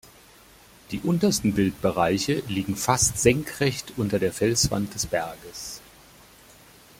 Die untersten Bildbereiche liegen fast senkrecht unter der Felswand des Berges.